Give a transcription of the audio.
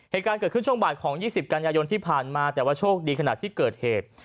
เหตุการณ์เกิดขึ้นช่วงบ่ายของ๒๐กันยายนที่ผ่านมาแต่ว่าโชคดีขณะที่เกิดเหตุ